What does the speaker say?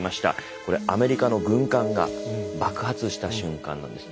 これアメリカの軍艦が爆発した瞬間なんです。